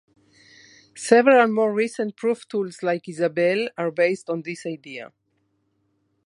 Several more recent proof tools like Isabelle are based on this idea.